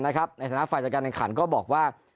ในฐานะฝ่ายจัดการแข่งขันก็บอกว่า